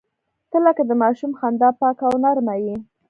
• ته لکه د ماشوم خندا پاکه او نرمه یې.